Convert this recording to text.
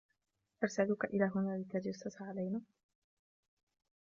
أرسلوك إلى هنا لتتجسس علينا!